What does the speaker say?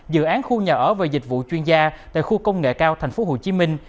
dự án khu nhà ở và dịch vụ chuyên gia tại khu công nghệ cao thành phố hồ chí minh